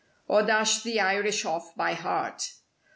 Or dash the Irish off by heart.